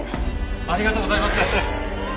ありがとうございます！